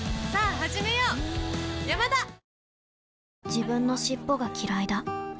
自分の尻尾がきらいだ